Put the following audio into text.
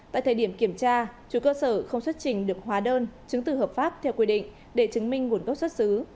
tại thời điểm kiểm tra chủ cơ sở không xuất trình được hóa đơn chứng từ hợp pháp theo quy định để chứng minh nguồn gốc xuất xứ